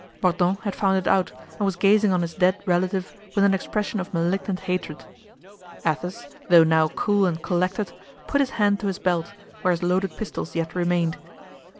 Mordaunt had found it out and was gazing on his dead relative with an expression of malignant hatred. Athos, though now cool and collected, put his hand to his belt, where his loaded pistols yet remained.